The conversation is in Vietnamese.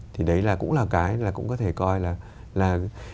thì đấy là cũng là cái là cũng có thể coi là